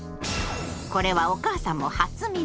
これはお母さんも初耳！